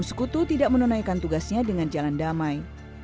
sekutu tidak menunaikan tugasnya dengan jalan damai